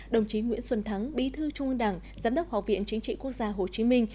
đồng chí nguyễn xuân thắng bí thư trung ương đảng giám đốc học viện chính trị quốc gia hồ chí minh